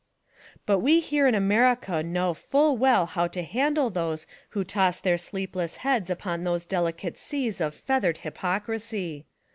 But we here in America know full well Iioav to handle those who toss their sleepless heads upon those delicate seas of feathered hypocrisy.